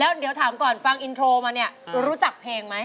เดี๋ยวถามก่อนฟังอินโทรมาเนี่ยรู้จักเพลงไหม